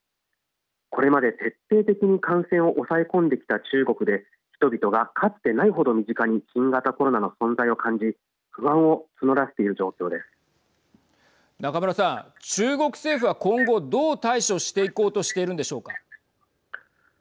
これまで徹底的に感染を抑え込んできた中国で人々が、かつてない程身近に新型コロナの存在を感じ中村さん、中国政府は今後どう対処していこうとしているんでしょうか。